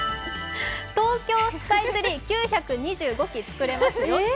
東京スカイツリー９２５基作れますよ。